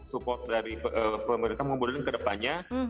support dari pemerintah mudahkan ke depannya